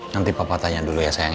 nanti papa tanya dulu ya sayang ya